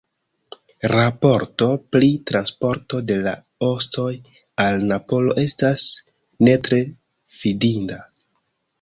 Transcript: Raporto pri transporto de la ostoj al Napolo estas ne tre fidinda.